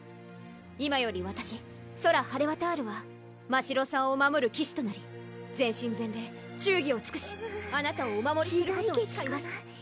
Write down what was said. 今よりわたしソラ・ハレワタールはましろさんを守る騎士となり全身全霊忠義をつくしあなたをお守りすることを時代劇かな？